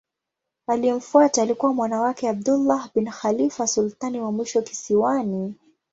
Aliyemfuata alikuwa mwana wake Abdullah bin Khalifa sultani wa mwisho kisiwani.